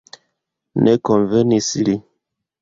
Ne konvenis li.